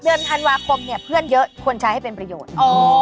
เดือนธันวาคมเนี่ยเพื่อนเยอะควรใช้ให้เป็นประโยชน์